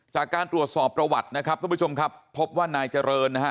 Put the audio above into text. จากการตรวจสอบประวัตินะครับท่านผู้ชมครับพบว่านายเจริญนะฮะ